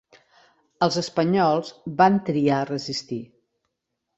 Els espanyols van triar resistir.